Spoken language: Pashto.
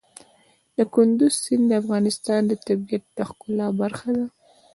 کندز سیند د افغانستان د طبیعت د ښکلا برخه ده.